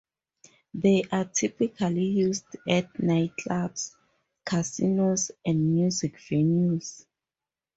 They are typically used at nightclubs, casinos and music venues.